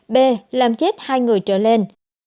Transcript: b làm chết hai người trở lên